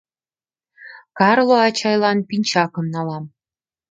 — Карло ачайлан пинчакым налам...